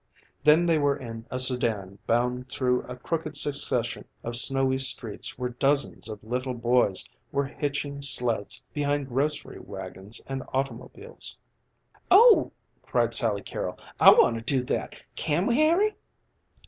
Then they were in a sedan bound through a crooked succession of snowy streets where dozens of little boys were hitching sleds behind grocery wagons and automobiles. "Oh," cried Sally Carrol, "I want to do that! Can we Harry?"